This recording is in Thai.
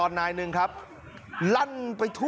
สวัสดีครับคุณผู้ชาย